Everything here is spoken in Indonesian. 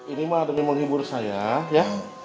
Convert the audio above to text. ini mah demi menghibur saya ya